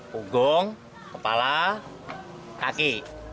punggung kepala kaki